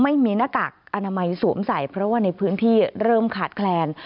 หน้ากากอนามัยสวมใส่เพราะว่าในพื้นที่เริ่มขาดแคลน